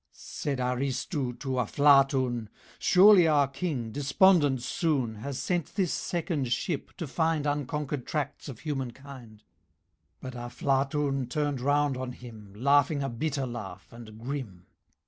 Said Aristu to Aflatun "Surely our King, despondent soon, Has sent this second ship to find Unconquered tracts of humankind." But Aflatun turned round on him Laughing a bitter laugh and grim.